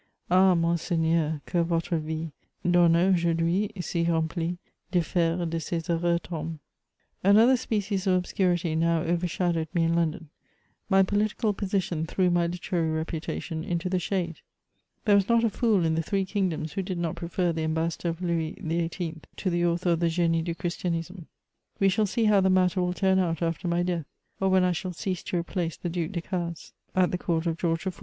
Ah ! Monseigneur, que votre vie, Dlionneurs aujourd'hui si remplie Differe de ces heureux temps ! Another species of obscurity now overshadowed me in London; my political position threw my literary reputation into the shade; there was not a fool in the three kmgdoms who did not prefer the ambassador of Louis XVIIL to the author of the Genie du ChrisHanism, We shall see how the matter will turn out after my death, or when I shall cease to replace the Duke Decazes at 232 MEMOIRS OF the court of George IV.